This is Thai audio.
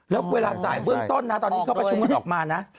แล้วเวลาจ่ายเบื้องต้นนะตอนนี้เขาประชุมกันออกมานะ